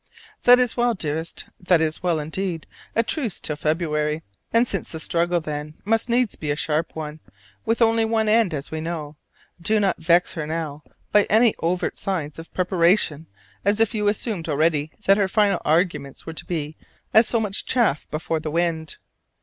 That is well, dearest, that is well indeed: a truce till February! And since the struggle then must needs be a sharp one with only one end, as we know, do not vex her now by any overt signs of preparation as if you assumed already that her final arguments were to be as so much chaff before the wind.